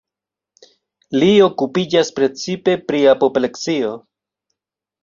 Li okupiĝas precipe pri apopleksio.